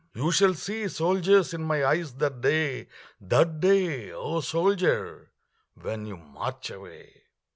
You shall see soldiers in my eyes that day That day, O soldier, when you march away.